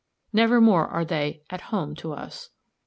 Nevermore are they "at home" to us.